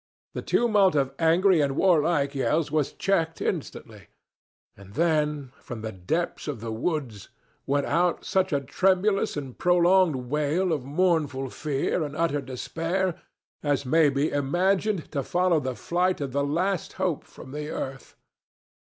The tumult of angry and warlike yells was checked instantly, and then from the depths of the woods went out such a tremulous and prolonged wail of mournful fear and utter despair as may be imagined to follow the flight of the last hope from the earth.